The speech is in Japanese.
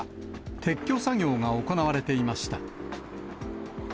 撤去作業が行われていました。